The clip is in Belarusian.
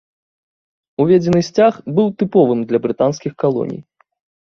Уведзены сцяг быў тыповым для брытанскіх калоній.